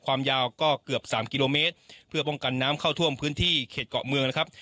ความยาวก็เกือบสามกิโลเมตรเพื่อป้องกันน้ำเข้าท่วมพื้นที่เขตเกาะเมืองนะครับ